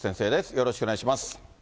よろしくお願いします。